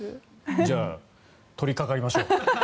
じゃあ取りかかりましょう。